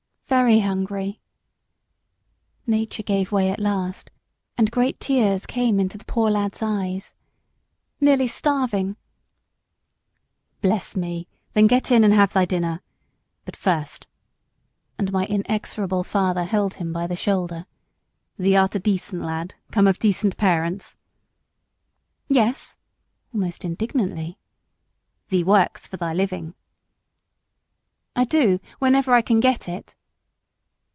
"Very hungry." Nature gave way at last, and great tears came into the poor lad's eyes. "Nearly starving." "Bless me! then get in, and have thy dinner. But first " and my inexorable father held him by the shoulder; "thee art a decent lad, come of decent parents?" "Yes," almost indignantly. "Thee works for thy living?" "I do, whenever I can get it."